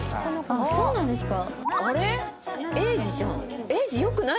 あっそうなんですか。